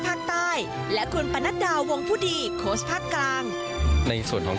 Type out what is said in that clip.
ภาคใต้และคุณปนัดดาวงผู้ดีโค้ชภาคกลางในส่วนของ